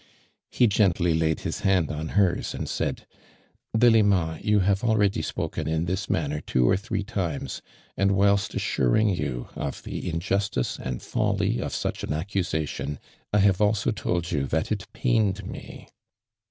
He gently laid his hand on hers and said :'• Delima, you have already sj>oken in tliis manner two or three timcvs, and whilst assuring you of tlie injustice and folly oi" such an accusation, I hive also told yon tlittt it pained me."